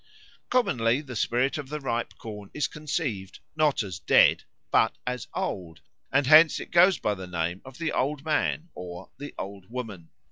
Commonly the spirit of the ripe corn is conceived, not as dead, but as old, and hence it goes by the name of the Old Man or the Old Woman.